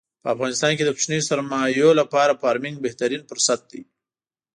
په افغانستان کې د کوچنیو سرمایو لپاره فارمنګ بهترین پرست دی.